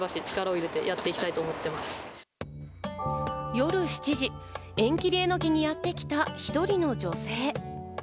夜７時、縁切榎にやってきた１人の女性。